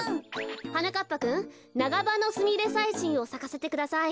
はなかっぱくんナガバノスミレサイシンをさかせてください。